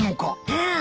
うん！